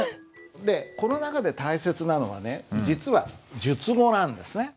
この中で大切なのはね実は述語なんですね。